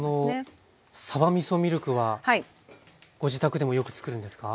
さばみそミルクはご自宅でもよくつくるんですか？